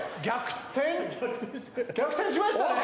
逆転しました。